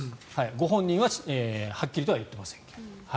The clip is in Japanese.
ご本人ははっきりとは言っていませんが。